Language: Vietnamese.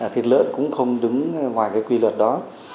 thịt lợn cũng không đứng ngoài cái quy luật đó